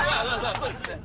そうですね。